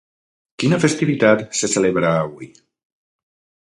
Quina festivitat se celebra avui?